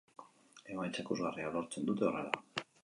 Emaitza ikusgarria lortzen dute horrela.